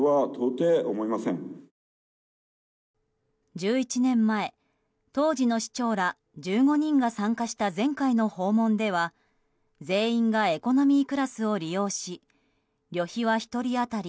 １１年前当時の市長ら１５人が参加した前回の訪問では全員がエコノミークラスを利用し旅費は１人当たり